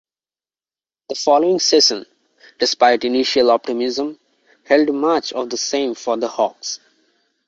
The following season, despite initial optimism, held much of the same for the Hawks.